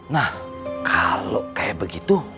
nah kalau kayak begitu